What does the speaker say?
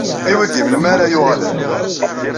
I wigi, melmi ara uɣalen?